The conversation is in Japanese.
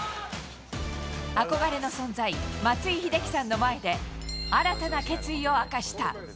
憧れの存在、松井秀喜さんの前で新たな決意を明かした。